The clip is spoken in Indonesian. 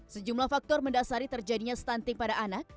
sejumlah faktor mendasari terjadinya stunting pada anak